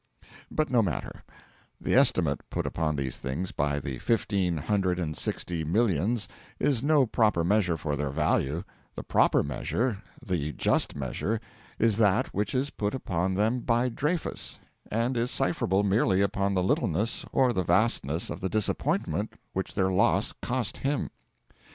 But no matter: the estimate put upon these things by the fifteen hundred and sixty millions is no proper measure of their value: the proper measure, the just measure, is that which is put upon them by Dreyfus, and is cipherable merely upon the littleness or the vastness of the disappointment which their loss cost him.